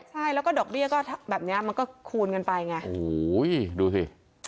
ใช่แล้วก็ดอกเบี้ยก็แบบเนี้ยมันก็คูณกันไปไงโอ้โหดูสิ